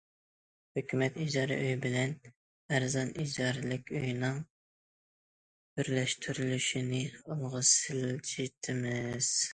ھۆكۈمەت ئىجارە ئۆيى بىلەن ئەرزان ئىجارىلىك ئۆينىڭ بىرلەشتۈرۈلۈشىنى ئالغا سىلجىتىمىز.